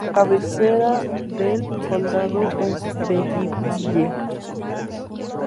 La cabecera del condado es Belleville.